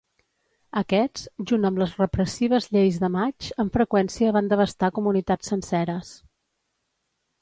Aquests, junt amb les repressives Lleis de Maig, amb freqüència van devastar comunitats senceres.